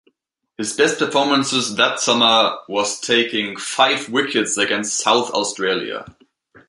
His best performances that summer was taking five wickets against South Australia.